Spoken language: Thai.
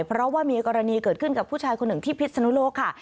เพราะว่ามีกรณีเกิดขึ้นกับผู้ชายคนหนึ่งที่พิษนุโลกค่ะ